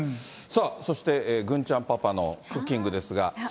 そして郡ちゃんパパのクッキングですが。